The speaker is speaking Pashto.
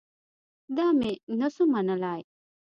دا مې نه سو منلاى.